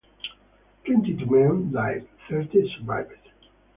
Twenty-two men died, thirty survived.